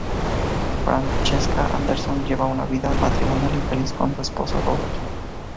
Francesca Anderson lleva una vida matrimonial infeliz con su esposo Robert.